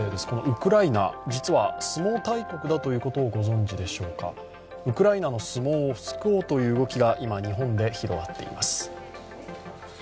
ウクライナ、実は相撲大国だということをご存じでしょうかウクライナの相撲を救おうという動きが今、日本で広がっています。